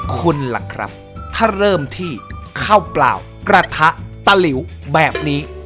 คุณล่ะครับถ้าเริ่มที่ข้าวเปล่ากระทะตะหลิวแบบนี้